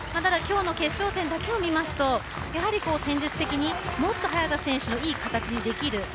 きょうの決勝戦だけを見ますと、やはり戦術的にもっと早田選手のいい形にできる。